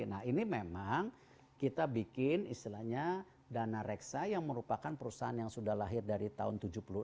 nah ini memang kita bikin istilahnya dana reksa yang merupakan perusahaan yang sudah lahir dari tahun seribu sembilan ratus tujuh puluh enam